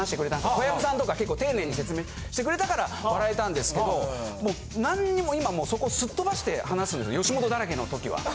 小籔さんとか結構丁寧に説明してくれたから笑えたんですけど何にも今もうそこすっ飛ばして話す吉本だらけの時は。